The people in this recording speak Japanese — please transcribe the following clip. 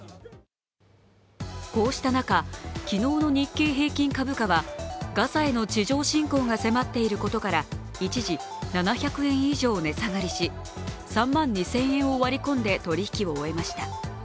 こうした中、昨日の日経平均株価はガザへの地上侵攻が迫っていることから一時７００円以上値下がりし、３万２０００円を割り込んで取り引きを終えました。